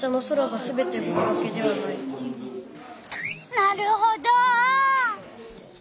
なるほど。